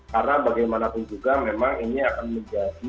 karena bagaimanapun juga memang ini akan menjadi resisi yang sangat penting